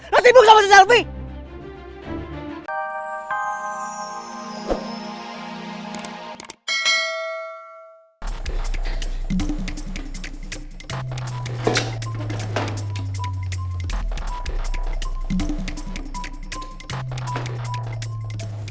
lo sibuk sama si selfie